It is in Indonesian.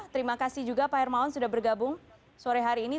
terima kasih juga pak hermawan sudah bergabung sore hari ini